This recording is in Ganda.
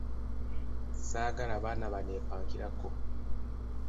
Saagala baana banneepankirako.